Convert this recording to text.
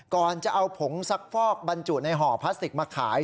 ก่อนจะเอาผงซักฟอกบรรจุในห่อพลาสติกมาขาย